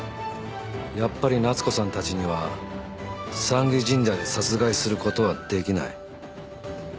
やっぱり夏子さんたちには山祇神社で殺害することはできない